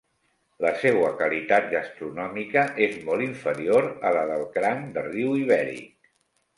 La seua qualitat gastronòmica és molt inferior a la del cranc de riu ibèric.